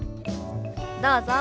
どうぞ。